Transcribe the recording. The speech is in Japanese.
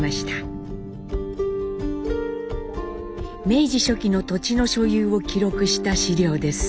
明治初期の土地の所有を記録した資料です。